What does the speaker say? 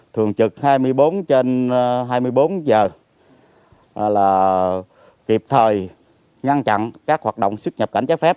thường trực hai mươi bốn trên hai mươi bốn giờ là kịp thời ngăn chặn các hoạt động xuất nhập cảnh trái phép